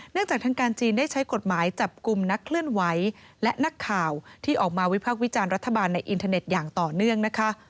จากทางการจีนได้ใช้กฎหมายจับกลุ่มนักเคลื่อนไหวและนักข่าวที่ออกมาวิพักวิจารณ์รัฐบาลในอินเทอร์เน็ตอย่างต่อเนื่องนะคะ